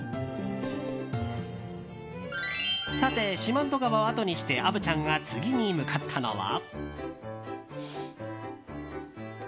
さて、四万十川をあとにして虻ちゃんが次に向かったのは。